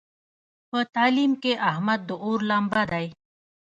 په تعلیم کې احمد د اور لمبه دی.